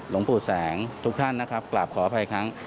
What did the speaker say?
หลวงปู่แสงทุกท่านนะครับกลับขออภัยครั้ง